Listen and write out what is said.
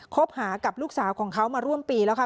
คบหากับลูกสาวของเขามาร่วมปีแล้วค่ะ